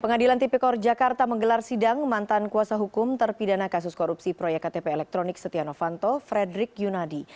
pengadilan tipikor jakarta menggelar sidang mantan kuasa hukum terpidana kasus korupsi proyek ktp elektronik setia novanto frederick yunadi